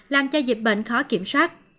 làm cho dịch bệnh khó kiểm soát